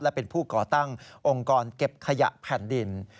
และเป็นผู้ก่อตั้งองค์กรเก็บขยะแผ่นดิน